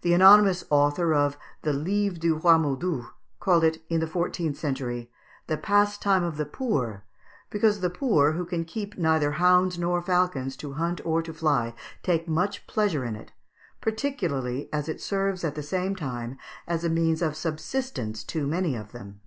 The anonymous author of the "Livre du Roy Modus" called it, in the fourteenth century, the pastime of the poor, "because the poor, who can neither keep hounds nor falcons to hunt or to fly, take much pleasure in it, particularly as it serves at the same time as a means of subsistence to many of them."